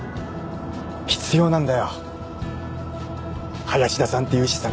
必要なんだよ林田さんっていう資産が。